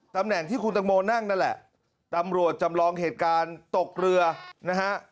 ตำแหน่งที่คุณตังโมนั่งนั่นแหละตำรวจจำลองเหตุการณ์ตกเรือนะฮะ